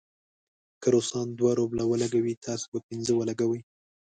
که روسان دوه روبله ولګوي، تاسې به پنځه ولګوئ.